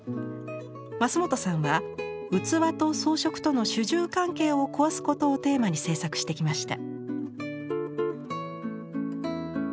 桝本さんは「器と装飾との主従関係を壊すこと」をテーマに制作してきました。